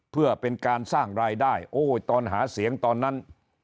เพื่อเป็นการสร้างรายได้โอ้ยตอนหาเสียงตอนนั้น